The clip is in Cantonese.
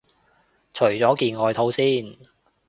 除咗件外套先